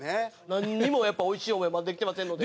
なんにもやっぱおいしい思いまだできてませんので。